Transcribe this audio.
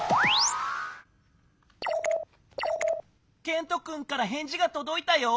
ケントくんからへんじがとどいたよ。